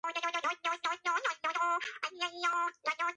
ზოგიერთი ლამი გამოიყენება მეცხოველეობაში და მედიცინაში.